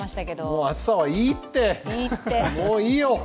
もう暑さはいいって、もういいよ。